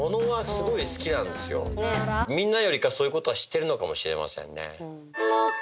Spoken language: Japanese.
みんなよりかそういうことはしてるのかもしれませんね。